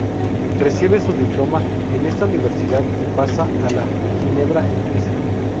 Recibe su diploma en esta Universidad y pasa a la de Ginebra en Suiza.